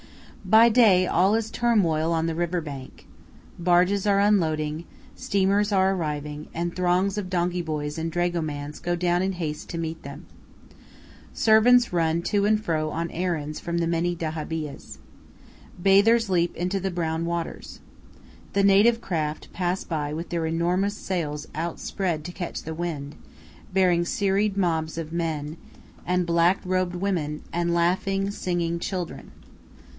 By day all is turmoil on the river bank. Barges are unloading, steamers are arriving, and throngs of donkey boys and dragomans go down in haste to meet them. Servants run to and fro on errands from the many dahabiyehs. Bathers leap into the brown waters. The native craft pass by with their enormous sails outspread to catch the wind, bearing serried mobs of men, and black robed women, and laughing, singing children.